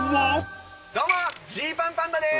どうもＧパンパンダです。